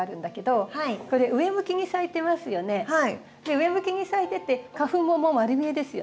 上向きに咲いてて花粉も丸見えですよね。